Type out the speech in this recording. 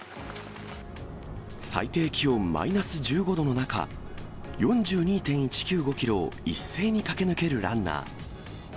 最低気温マイナス１５度の中、４２．１９５キロを一斉に駆け抜けるランナー。